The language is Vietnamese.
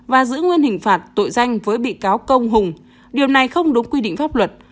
và giữ nguyên hình phạt tội danh với bị cáo công hùng điều này không đúng quy định pháp luật